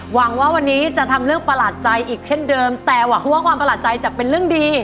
หวังว่าวันนี้จะทำเรื่องประหลาดใจอีกเช่นเดิมแต่หวังว่าความประหลาดใจจะเป็นเรื่องดี